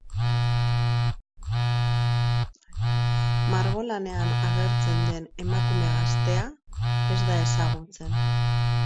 Margolanean agertzen den emakume gaztea ez da ezagutzen.